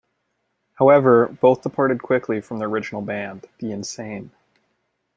However, both departed quickly for their original band, The Insane.